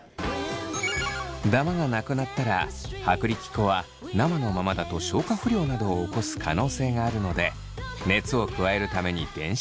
ダマがなくなったら薄力粉は生のままだと消化不良などを起こす可能性があるので熱を加えるために電子レンジに。